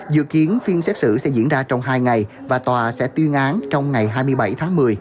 dự kiến phiên xét xử sẽ diễn ra trong hai ngày và tòa sẽ tuyên án trong ngày hai mươi bảy tháng một mươi